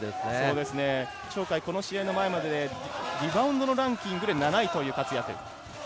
鳥海、この試合の前まででリバウンドのランキングで７位という活躍。